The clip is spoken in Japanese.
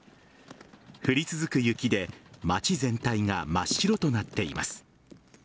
降り続く雪で街全体が真っ白となっています。